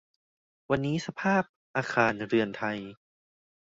วันนี้สภาพอาคารเรือนไทย